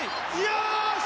よし！